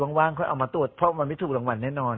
ว่างค่อยเอามาตรวจเพราะมันไม่ถูกรางวัลแน่นอน